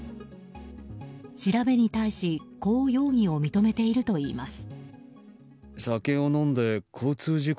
調べに対しこう容疑を認めているといいます。